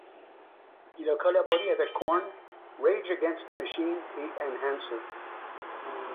Il a collaboré avec KoЯn, Rage Against the Machine et Enhancer.